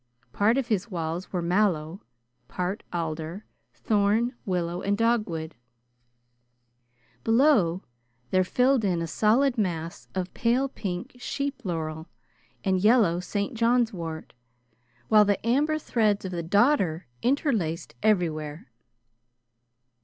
Part of his walls were mallow, part alder, thorn, willow, and dogwood. Below there filled in a solid mass of pale pink sheep laurel, and yellow St. John's wort, while the amber threads of the dodder interlaced everywhere.